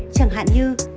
chẳng hạn như bước làm sạch